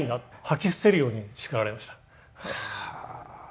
吐き捨てるように叱られました。